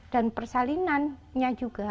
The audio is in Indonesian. dan persalinannya juga